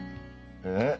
えっ？